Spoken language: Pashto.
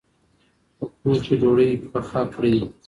په کور کې ډوډۍ پخ کړئ.